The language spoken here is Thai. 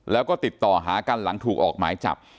แล้วก็ติดต่อหากันหลังถูกออกหมายจับ